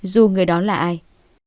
dù người đó là ai